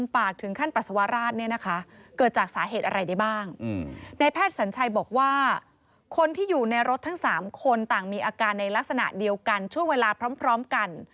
แพทย์สัญชัยบอกว่าคนที่อยู่ในรถทั้ง๓คนต่างมีอาการในลักษณะเดียวกันช่วงเวลาพร้อมกัน